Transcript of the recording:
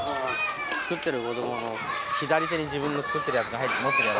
作ってる子供の左手に自分の作ってるやつ持ってるやろ。